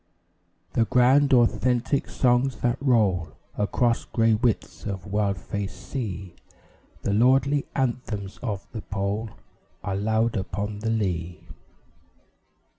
The grand, authentic songs that roll Across grey widths of wild faced sea, The lordly anthems of the Pole, Are loud upon the lea.